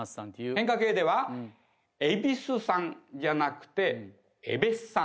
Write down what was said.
変化形では「恵比寿さん」じゃなくて「えべっさん」。